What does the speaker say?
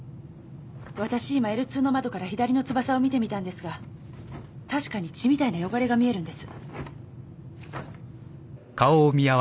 わたし今Ｌ２の窓から左の翼を見てみたんですが確かに血みたいな汚れが見えるんです。